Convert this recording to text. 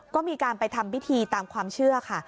ก็มีการไปทำพิธีตามความเชื่อค่ะ